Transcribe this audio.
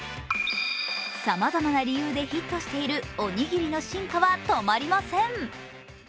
さまざまな理由でヒットしているおにぎりの進化は止まりません。